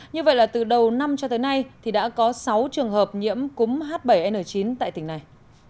như vậy là từ đầu năm cho tới nay thì đã có sáu trường hợp nhiễm cúm h bảy n chín tại tỉnh này